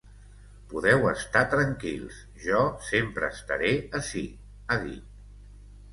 Podeu estar tranquils, jo sempre estaré ací, ha dit.